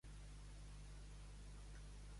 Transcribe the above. Van consolidar la seva presència a Galilee i Samaria.